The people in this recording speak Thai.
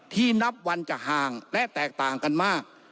นับวันจะห่างและแตกต่างกันมาก